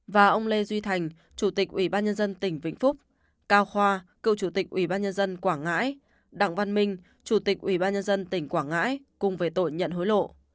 và ông lê duy thành chủ tịch ủy ban nhân dân tỉnh vĩnh phúc cao khoa cựu chủ tịch ủy ban nhân dân quảng ngãi đặng văn minh chủ tịch ủy ban nhân dân tỉnh quảng ngãi cùng về tội nhận hối lộ